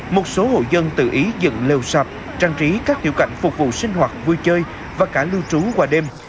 một số hộ dân tự ý dựng lều sạp trang trí các tiểu cảnh phục vụ sinh hoạt vui chơi và cả lưu trú qua đêm